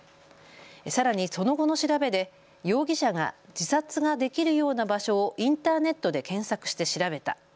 さらにその後の調べで容疑者が自殺ができるような場所をインターネットで検索して調べた。